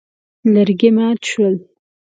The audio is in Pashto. لرګي مات شول.